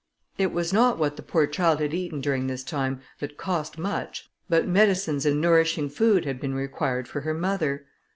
It was not what the poor child had eaten during this time that cost much, but medicines and nourishing food had been required for her mother.